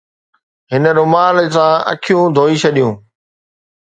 هن رومال سان اکيون ڌوئي ڇڏيون.